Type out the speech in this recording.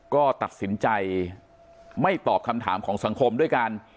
ก็ตัดสินใจไม่ตอบคำถามของสังคมด้วยกัน